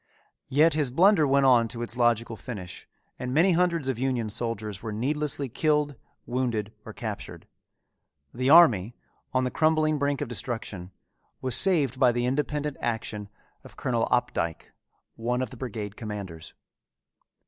Yet his blunder went on to its logical finish and many hundreds of Union soldiers were needlessly killed, wounded, or captured; the army, on the crumbling brink of destruction, was saved by the independent action of Colonel Opdycke, one of the brigade commanders.